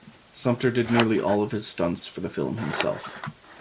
Sumpter did nearly all of his stunts for the film himself.